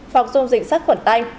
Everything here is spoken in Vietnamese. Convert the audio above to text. phòng dùng dịch sắc khuẩn tay